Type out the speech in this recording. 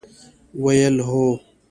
ویل ، هو!